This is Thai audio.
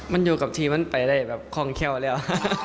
มันอยู่กับทีมันไปได้คลองเข้าแล้ว